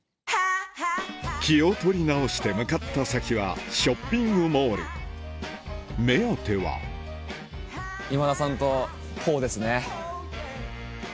気を取り直して向かった先はショッピングモール目当てはそれこそ。